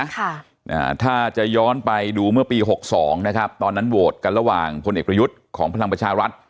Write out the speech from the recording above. ค่ะอ่าถ้าจะย้อนไปดูเมื่อปีหกสองนะครับตอนนั้นโหวตกันระหว่างพลเอกประยุทธ์ของพลังประชารัฐ